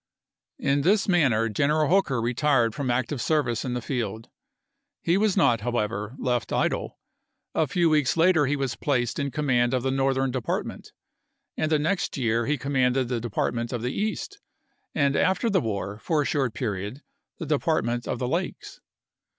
In this manner General Hooker retired from ac tive service in the field. He was not, however, left idle. A few weeks later he was placed in com mand of the Northern Department; in the next year he commanded the Department of the East, and after the war for a short period the Depart ment of the Lakes.